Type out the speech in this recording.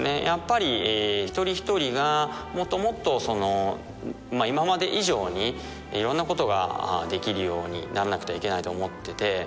やっぱり一人一人がもっともっと今まで以上にいろんなことができるようになんなくてはいけないと思ってて。